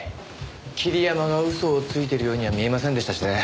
桐山が嘘をついてるようには見えませんでしたしね。